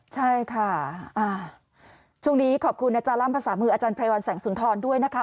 ใช่ค่ะช่วงนี้ขอบคุณอาจารย์ล่ำภาษามืออาจารย์ไพรวัลแสงสุนทรด้วยนะคะ